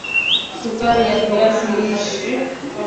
sukari ya viazi lishe hupanda polepole tofauti na vyakula vingine